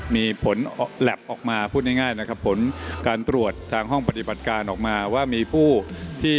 มีผลแหลบออกมาพูดง่ายนะครับผลการตรวจทางห้องปฏิบัติการออกมาว่ามีผู้ที่